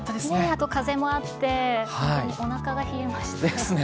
あと、風もあって、本当におなかが冷えました。ですね。